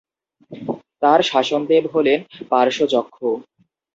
তার 'শাসন দেব' হলেন পার্শ্বযক্ষ।